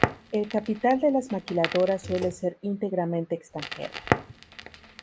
El capital de las maquiladoras suele ser íntegramente extranjero.